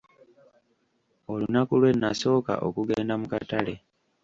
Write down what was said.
Olunaku lwe nasooka okugenda mu Katale.